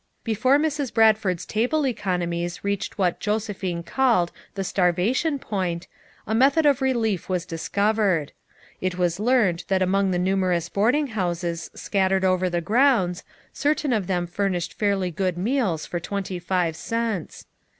Before Mrs. Bradford's table economies reached what Josephine called the "starvation point" a method of relief was dis covered. It was learned that among the numer ous boarding houses scattered over the grounds, certain of them furnished fairly good meals for twentv five cents.